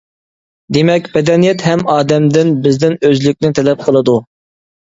دېمەك، مەدەنىيەت ھەم ئادەمدىن، بىزدىن ئۆزلۈكنى تەلەپ قىلىدۇ.